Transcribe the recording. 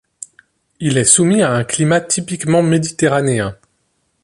Il est soumis à un climat typiquement méditerranéen.